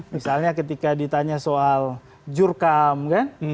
misalnya ketika ditanya soal jurkam kan